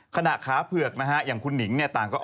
ขณะขาเผือกนะฮะอย่างคุณหนิงต่างก็